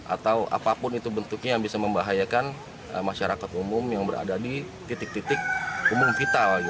atau apapun itu bentuknya yang bisa membahayakan masyarakat umum yang berada di titik titik umum vital